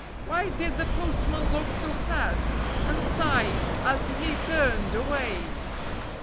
Why did the postman look so sad, And sigh as he turned away?